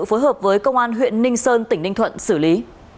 phối hợp với công an huyện ninh sơn tỉnh ninh thuận xử lý